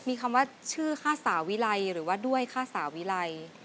มีคำว่าชื่อค่าสาวิไลหรือว่าด้วยค่าสาวิไร